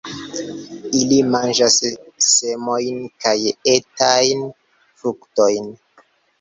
Ili manĝas semojn kaj etajn fruktojn.